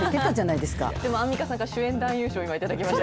でも、アンミカさんから主演男優賞、今、頂きました。